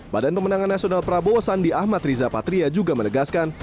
badan pemenangan nasional prabowo sandi ahmad riza patria juga menegaskan